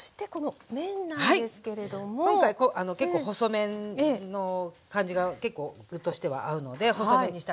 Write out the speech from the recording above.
今回結構細麺の感じが結構具としては合うので細麺にしてあります。